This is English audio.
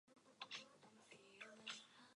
These books also feature aliens from the New Series.